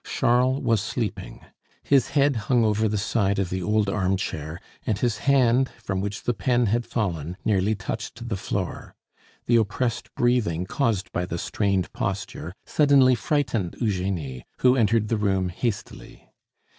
Charles was sleeping; his head hung over the side of the old armchair, and his hand, from which the pen had fallen, nearly touched the floor. The oppressed breathing caused by the strained posture suddenly frightened Eugenie, who entered the room hastily.